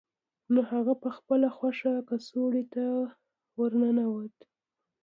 نو هغه په خپله خوښه کڅوړې ته ورننوته